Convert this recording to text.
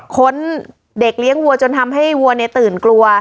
ค้นเด็กเลี้ยงวัวจนทำให้วัวตื่นกลัว